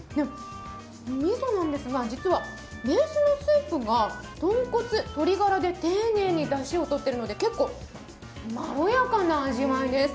みそなんですが、実はベースのスープが豚骨・鶏ガラで丁寧にだしをとってるので結構まろやかな味わいです。